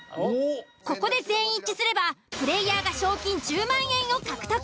ここで全員一致すればプレイヤーが賞金１０万円を獲得。